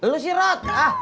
lu si rat